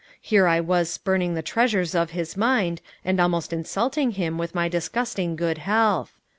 Here I was spurning the treasures of his mind, and almost insulting him with my disgusting good health.